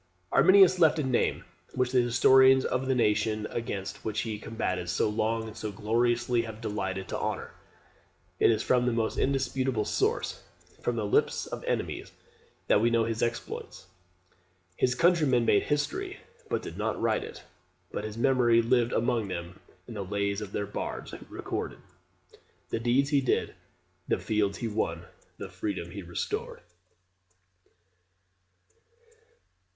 Arminius left a name, which the historians of the nation against which he combated so long and so gloriously have delighted to honour. It is from the most indisputable source, from the lips of enemies, that we know his exploits. [See Tacitus, Ann. lib. ii. sec. 88; Velleius Paterculus, lib. ii. sec. 118.] His country men made history, but did not write it. But his memory lived among them in the lays of their bards, who recorded "The deeds he did, the fields he won, The freedom he restored."